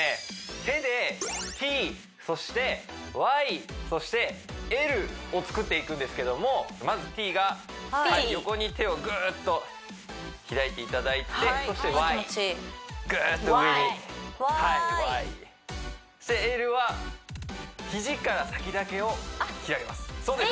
手でＴそしてＹそしてＬを作っていくんですけどもまずＴが横に手をグッと開いていただいてそしてＹグッと上にはいＹそしてＬは肘から先だけを広げますそうです